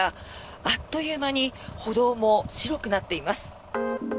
あっという間に歩道も白くなっています。